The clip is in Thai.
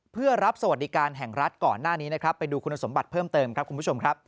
เพื่อรับสวัสดิการแห่งรัฐก่อนหน้านี้นะครับไปดูคุณสมบัติเพิ่มเติมครับคุณผู้ชมครับ